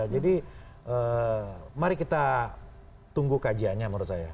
jadi mari kita tunggu kajiannya menurut saya